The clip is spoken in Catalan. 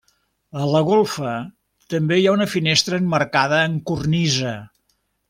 A la golfa també hi ha una finestra emmarcada amb cornisa.